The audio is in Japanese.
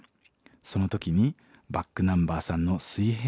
その時にｂａｃｋｎｕｍｂｅｒさんの『水平線』を聴いていました。